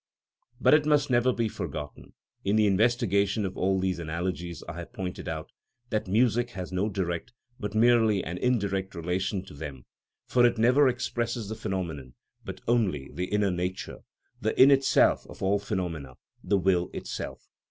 But it must never be forgotten, in the investigation of all these analogies I have pointed out, that music has no direct, but merely an indirect relation to them, for it never expresses the phenomenon, but only the inner nature, the in itself of all phenomena, the will itself.